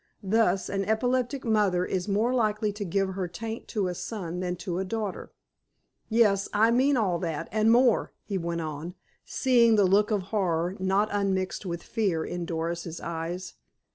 Thus, an epileptic mother is more likely to give her taint to a son than to a daughter.... Yes, I mean all that, and more," he went on, seeing the look of horror, not unmixed with fear, in Doris's eyes.